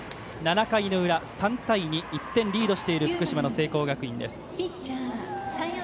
７回の裏、３対２と１点リードしている福島の聖光学院です。